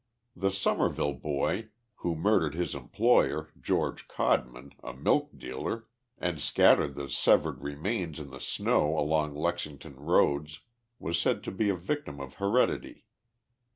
The Somerville boy, who murdered his employer, George Codman, a milk dealer, and scattered the severed remains in the snow along Lexington roads, was said to he a victim of heredity.